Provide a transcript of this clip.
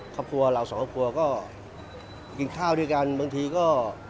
ครอบครัวเราสองครอบครัวก็กินข้าวด้วยกันบางทีก็